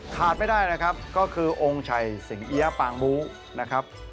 ขาดไม่ได้นะครับก็คือองค์ชัยสิงเอี๊ยะปางมู้นะครับ